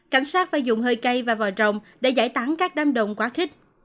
cảnh sát phải dùng hơi cây và vòi rồng để giải tán các đám đồng quá khích